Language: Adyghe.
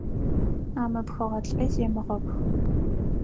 Амыпхыгъэ лӏы земыгъэпх.